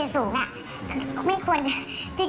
ก็ไม่รู้ว่าฟ้าจะระแวงพอพานหรือเปล่า